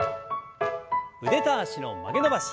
腕と脚の曲げ伸ばし。